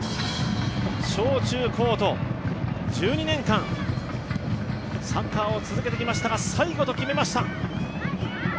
小中高と１２年間、サッカーを続けてきましたが、最後と決めました。